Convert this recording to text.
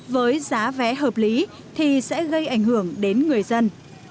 với giá vé hợp lý thì sẽ gây ảnh hưởng đến người dân